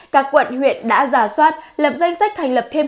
các quận huyện đã giả soát lập danh sách thành lập thêm